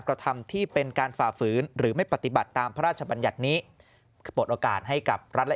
กระทำที่เป็นการฝ่าฝืนหรือไม่ปฏิบัติตามพระราชบัญญัตินี้เปิดโอกาสให้กับรัฐและ